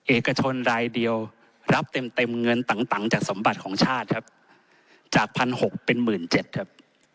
เอกชนรายเดียวรับเต็มเงินต่างจากสมบัติของชาติครับจาก๑๖๐๐เป็น๑๗๐๐ครับ